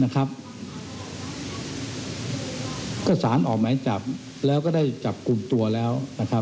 ก็สารออกหมายจับแล้วก็ได้จับกลุ่มตัวแล้ว